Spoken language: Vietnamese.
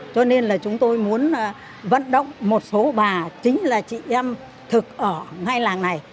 cho nên là chúng tôi muốn vận động một số bà chính là chị em thực ở ngay làng này